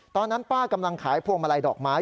ตอนนั้นป้ากำลังขายพวงมาลัยดอกไม้